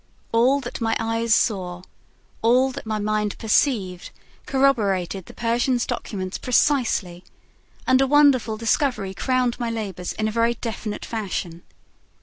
All that my eyes saw, all that my mind perceived, corroborated the Persian's documents precisely; and a wonderful discovery crowned my labors in a very definite fashion.